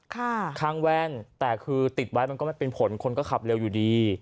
ข้างแว่นแต่คือติดไว้มันก็ไม่เป็นผลคนก็ขับเร็วอยู่ดี